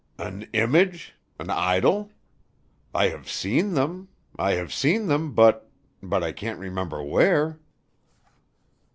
"An image? An idol? I have seen them. I have seen them, but but I can't remember where."